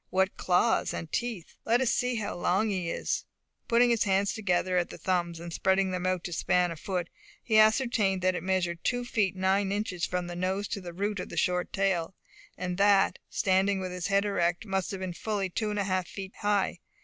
What claws and teeth! Let us see how long he is." Putting his hands together at the thumbs, and spreading them out to span a foot, he ascertained that it measured two feet nine inches from the nose to the root of the short tail; and that, standing with its head erect, it must have been fully two and a half feet high.